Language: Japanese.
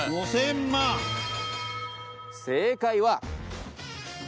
５０００万正解はこちら